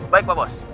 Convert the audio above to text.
baik pak bos